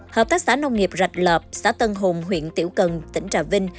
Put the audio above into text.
hợp tác xã nông nghiệp rạch lợp xã tân hùng huyện tiểu cần tỉnh trà vinh